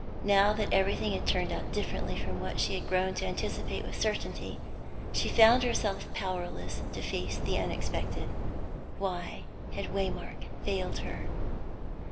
Now that everything had turned out differently from what she had grown to anticipate with certainty, she found herself powerless to face the unexpected. Why had Waymark failed her?